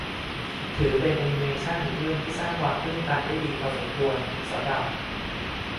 ถือเป็นแอนิเมชั่นอีกเรื่องที่สร้างความตื้นตันได้ดีพอสมควรสำหรับ